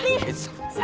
sakit tau gak